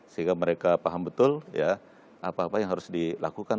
sehingga mereka paham betul apa apa yang harus dilakukan